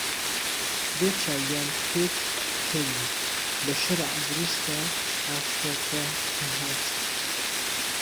بێ چاویان پێک پکهوی به شەرع دروسته عافرهتهکههات